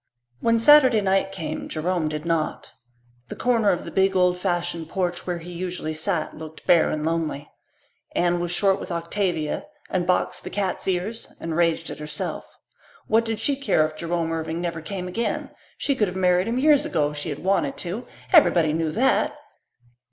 When Saturday night came Jerome did not. The corner of the big, old fashioned porch where he usually sat looked bare and lonely. Anne was short with Octavia and boxed the cat's ears and raged at herself. What did she care if Jerome Irving never came again? She could have married him years ago if she had wanted to everybody knew that!